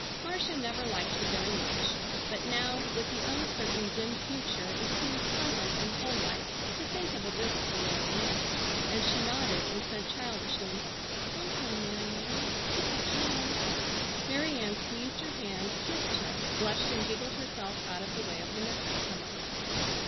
Marcia never liked her very much, but now, with the uncertain, dim future it seemed pleasant and home like to think of a visit from Mary Ann and she nodded and said childishly: "Sometime, Mary Ann, if I can." Mary Ann squeezed her hand, kissed her, blushed and giggled herself out of the way of the next comer.